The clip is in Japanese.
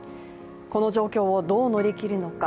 この状況をどう乗り切るのか。